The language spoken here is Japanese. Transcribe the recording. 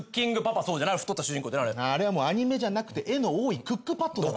あれはアニメじゃなくて絵の多いクックパッドだから。